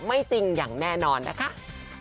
บอกว่าไม่จริงอย่างแน่นอนนะครับ